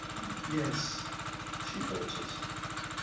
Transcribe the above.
" Yes," she falters.